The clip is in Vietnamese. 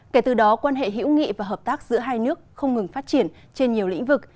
kể từ đó quan hệ hữu nghị và hợp tác giữa hai nước không ngừng phát triển trên nhiều lĩnh vực